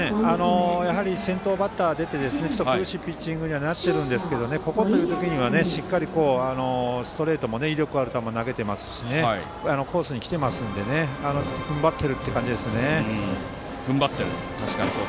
先頭バッターを出して苦しいピッチングにはなっているんですがここという時にはしっかりストレートも威力ある球を投げていますしコースに来ていますので踏ん張っているという感じですね。